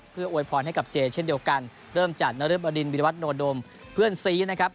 เพื่ออวยพรให้กับเจเช่นเดียวกันเริ่มจากนรึบดินวิรวัตโนดมเพื่อนซีนะครับ